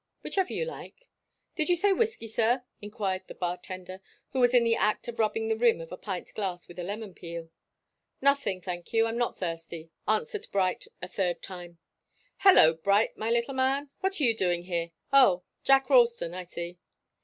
"Whichever you like." "Did you say whiskey, sir?" enquired the bar tender, who was in the act of rubbing the rim of a pint glass with a lemon peel. "Nothing, thank you. I'm not thirsty," answered Bright a third time. "Hallo, Bright, my little man! What are you doing here? Oh Jack Ralston I see."